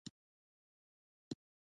د نجونو تعلیم د چاپیریال پوهاوی زیاتوي.